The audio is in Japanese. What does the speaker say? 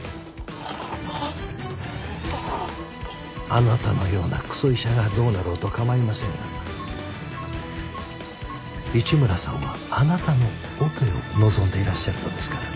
あなたのようなクソ医者がどうなろうと構いませんが一村さんはあなたのオペを望んでいらっしゃるのですから。